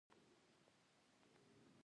د بیحي مربا ډیره مشهوره ده.